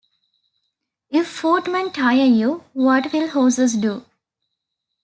If Footmen Tire You, What Will Horses Do?